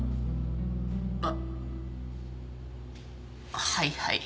あはいはい。